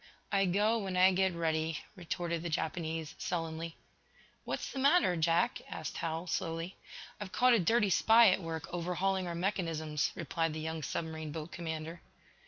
"I go when I get ready," retorted the Japanese, sullenly. "What's the matter, Jack?" asked Hal, slowly. "I've caught a dirty spy at work overhauling our mechanisms," replied the young submarine boat commander.